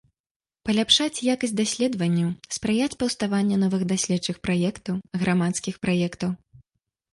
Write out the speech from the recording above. Паляпшаць якасць даследаванняў, спрыяць паўставанню новых даследчых праектаў, грамадскіх праектаў.